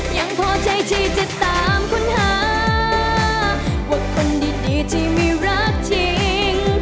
ยังพอใช้ที่จะตามค้นหาว่าคนดีที่ไม่รักจริง